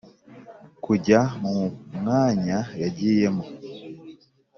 kujya mu mwanya yagiye mo,